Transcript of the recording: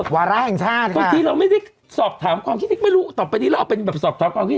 วาระแห่งชาติบางทีเราไม่ได้สอบถามความคิดไม่รู้ต่อไปนี้เราเอาเป็นแบบสอบถามความคิด